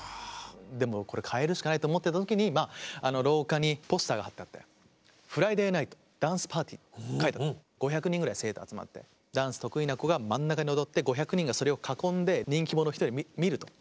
でもこれ変えるしかないと思ってた時にまあ廊下にポスターが貼ってあって５００人ぐらい生徒集まってダンス得意な子が真ん中で踊って５００人がそれを囲んで人気者１人を見ると。